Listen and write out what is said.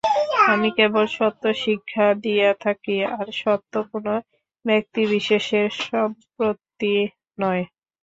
আমি কেবল সত্য শিক্ষা দিয়া থাকি, আর সত্য কোন ব্যক্তিবিশেষের সম্পত্তি নহে।